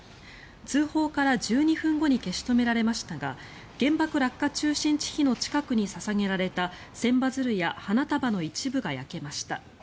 通報から１２分後に消し止められましたが原爆落下中心地碑の近くに捧げられた千羽鶴や花束の一部が焼けました。